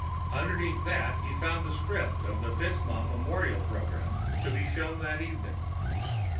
Underneath that, he found the script of the FitzMaugham memorial program to be shown that evening.